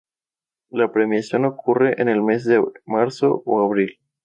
La Premiación ocurre en el mes de Marzo o Abril.